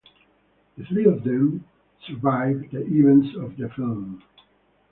The three of them survive the events of the film.